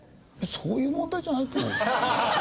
そういう問題じゃないと思う。